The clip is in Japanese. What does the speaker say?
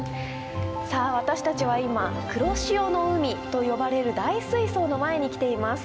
さあ私たちは今「黒潮の海」と呼ばれる大水槽の前に来ています。